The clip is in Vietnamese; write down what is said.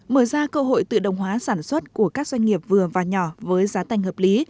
mở ra cơ hội tự động hóa sản xuất của các doanh nghiệp vừa và nhỏ với giá tành hợp lý